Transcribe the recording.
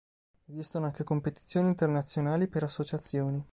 Esistono anche competizioni internazionali per associazioni.